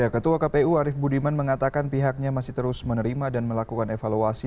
ketua kpu arief budiman mengatakan pihaknya masih terus menerima dan melakukan evaluasi